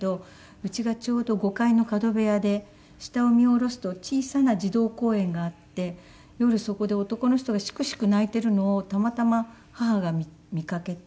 うちがちょうど５階の角部屋で下を見下ろすと小さな児童公園があって夜そこで男の人がシクシク泣いているのをたまたま母が見かけて。